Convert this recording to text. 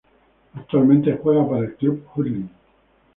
Actualmente juega para el club Hurling.